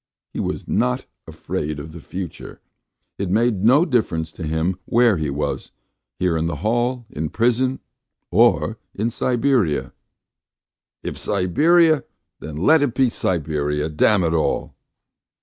He was not afraid of the future. It made no difference to him where he was: here in the hall, in prison, or in Siberia. "If Siberia, then let it be Siberia, damn it all!"